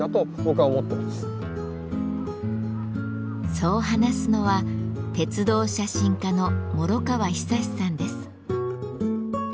そう話すのは鉄道写真家の諸河久さんです。